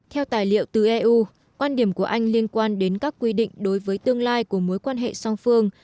theo tài liệu từ eu quan điểm của anh liên quan đến các quy định đối với tương lai của mối quan hệ song phương